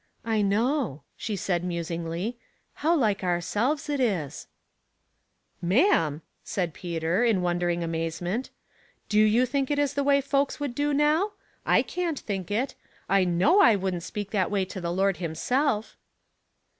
*' I know," she said, musingly, how like ourselves it is." Puzzling People, 207 " Ma'am !" said Peter, in wondering amaze ment. ^'Do you think it is the way folks would do now? I can't think it. I know I wouldn't speak that way to the Lord himself."